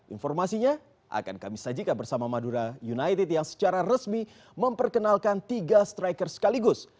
informasinya akan kami sajikan bersama madura united yang secara resmi memperkenalkan tiga striker sekaligus